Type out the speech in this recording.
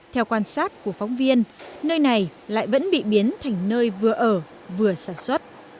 theo quan sát của phóng viên nơi này lại vẫn bị biến thành nơi vừa ở vừa sản xuất